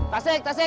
terserah hari ini